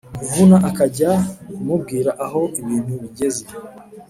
kavuna akajya kumubwira aho ibintu bigeze